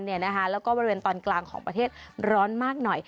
แล้วก็บริเวณตอนกลางของประเทศร้อนมากหน่อย